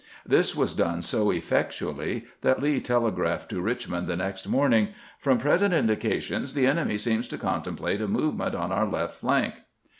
This was done so effectually that Lee telegraphed to Eichmond the next morning :" From present indications the enemy seems to contemplate a movement on our left flank."